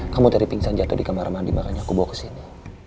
kamu dari pingsan jatuh di kamar mandi makanya aku bawa ke sini